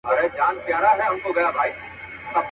په تیارو کي سره وژنو دوست دښمن نه معلومیږي.